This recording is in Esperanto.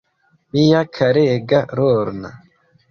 Mia karega Lorna.